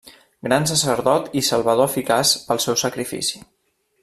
Gran sacerdot i salvador eficaç pel seu sacrifici.